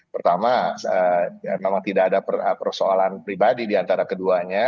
pertama memang tidak ada persoalan pribadi diantara keduanya